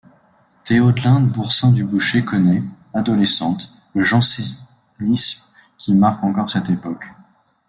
Théodelinde Bourcin-Dubouché connaît, adolescente, le jansénisme qui marque encore cette époque.